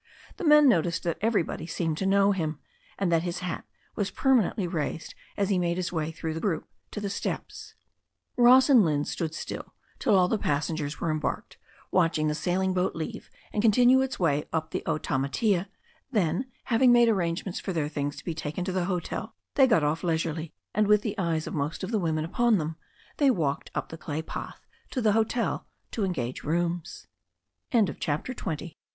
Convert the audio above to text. The men noticed that every body seemed to know him, and that his hat was permanently raised as he made his way through the group to the steps. Ross and Lynne stood still till all the passengers were em barked, watching the sailing boat leave and continue its way up the Otamatea, then, having made arrangements for their things to be taken to the hotel, they got off leisurely, and with the eyes of most of the women about upon them they walked up the clay path to the